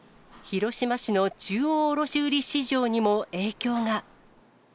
広島市の中央卸売市場にも影響が。